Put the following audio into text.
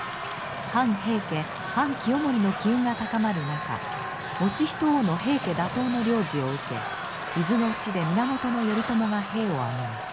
反平家反清盛の機運が高まる中以仁王の平家打倒の令旨を受け伊豆の地で源頼朝が兵を挙げます。